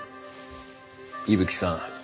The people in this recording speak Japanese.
伊吹さん